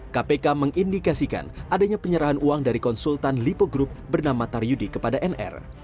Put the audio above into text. kpk mengindikasikan adanya penyerahan uang dari konsultan lipo group bernama taryudi kepada nr